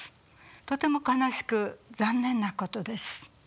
とても悲しく残念なことです。